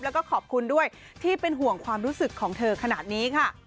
แล้วก็ขอบคุณด้วยที่เป็นห่วงความรู้สึกของเธอขนาดนี้ค่ะ